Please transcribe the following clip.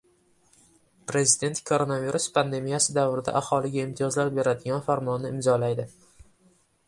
Prezident koronavirus pandemiyasi davrida aholiga imtiyozlar beradigan farmonni imzolaydi